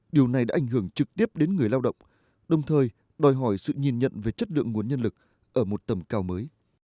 điều này đã ảnh hưởng trực tiếp đến người lao động đồng thời đòi hỏi sự nhìn nhận về chất lượng nguồn nhân lực ở một tầm cao mới